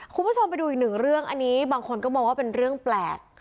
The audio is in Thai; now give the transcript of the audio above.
คุณผู้ชมไปดูอีกหนึ่งเรื่องอันนี้บางคนก็มองว่าเป็นเรื่องแปลก